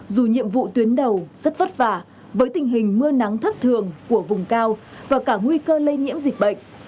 dù nhiệm vụ tuyến đầu rất vất vả với tình hình mưa nắng thất thường của vùng cao và cả nguy cơ lây nhiễm dịch bệnh